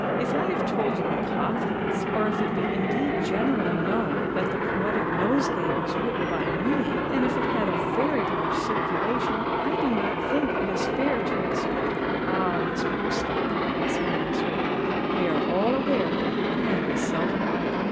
If I have told you in confidence, or if it be indeed generally known that 'The Poetic Nosegay' was written by me—and if it had a very large circulation—I do not think it is fair to expect——" "Ah! Miss Blewstocken," exclaimed Miss Wigmore, "we are all aware that your pen is seldom idle."